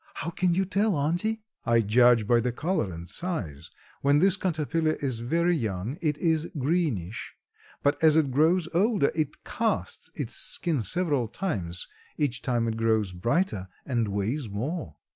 "How can you tell, auntie?" "I judge by the color and size. When this caterpillar is very young it is greenish, but as it grows older it casts its skin several times; each time it grows brighter and weighs more."